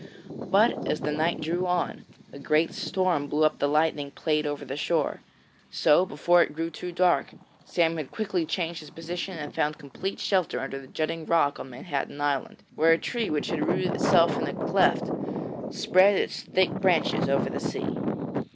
But as the night drew on, a great storm blew up and the lightning played over the shore. So before it grew too dark, Sam quickly changed his position and found complete shelter under a jutting rock on Manhattan Island, where a tree which had rooted itself in a cleft spread its thick branches over the sea.